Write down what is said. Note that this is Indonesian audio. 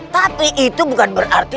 tapi itu bukan berarti